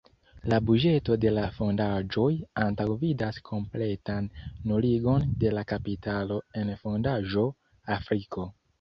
La buĝeto de la fondaĵoj antaŭvidas kompletan nuligon de la kapitalo en fondaĵo Afriko.